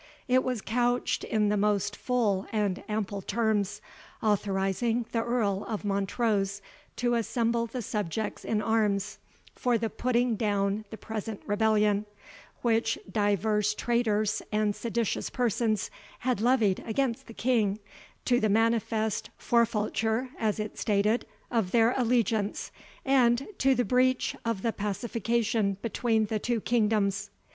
It was couched in the most full and ample terms, authorizing the Earl of Montrose to assemble the subjects in arms, for the putting down the present rebellion, which divers traitors and seditious persons had levied against the King, to the manifest forfaulture, as it stated, of their allegiance, and to the breach of the pacification between the two kingdoms.